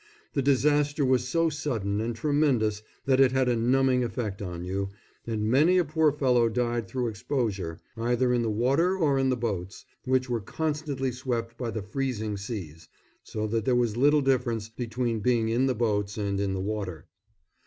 The disaster was so sudden and tremendous that it had a numbing effect on you, and many a poor fellow died through exposure, either in the water or in the boats, which were constantly swept by the freezing seas, so that there was little difference between being in the boats and in the water.